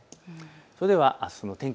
それではあすの天気